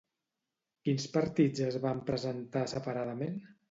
Quins partits es van presentar separadament?